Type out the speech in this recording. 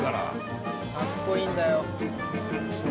かっこいいんだよ！